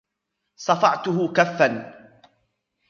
صفعته كفاً.